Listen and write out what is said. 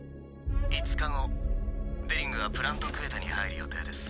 ５日後デリングはプラント・クエタに入る予定です。